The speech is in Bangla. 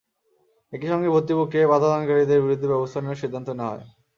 একই সঙ্গে ভর্তি প্রক্রিয়ায় বাধাদানকারীদের বিরুদ্ধে ব্যবস্থা নেওয়ার সিদ্ধান্ত নেওয়া হয়।